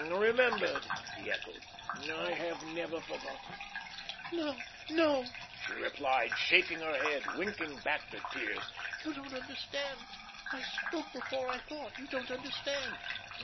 "Remembered!" he echoed. "I have never forgotten." "No, no," she replied, shaking her head, winking back the tears. "You don't understand. I spoke before I thought. You don't understand."